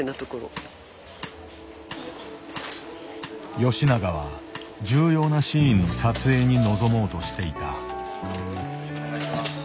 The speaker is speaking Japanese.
吉永は重要なシーンの撮影に臨もうとしていた。